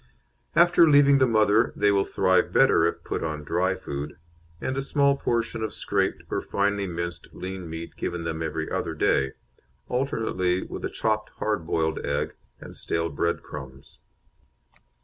After leaving the mother they will thrive better if put on dry food, and a small portion of scraped or finely minced lean meat given them every other day, alternately with a chopped hard boiled egg and stale bread crumbs.